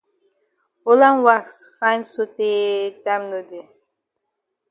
Holland wax fine sotay time no dey.